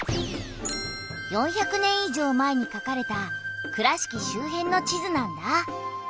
４００年以上前にかかれた倉敷周辺の地図なんだ。